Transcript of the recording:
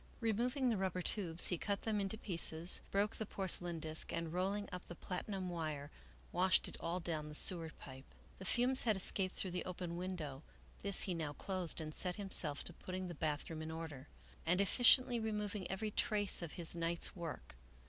Removing the rubber tubes, he cut them into pieces, broke the porcelain disk, and, rolling up the platinum wire, washed it all down the sewer pipe. The fumes had escaped through the open window; this he now closed and set himself to putting the bathroom in order, and effectually removing every trace of his night's work.